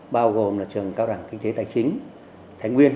bao gồm là trường cao đẳng kinh tế tài chính